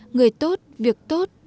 người tốt việc tốt